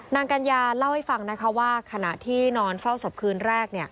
กัญญาเล่าให้ฟังนะคะว่าขณะที่นอนเฝ้าศพคืนแรก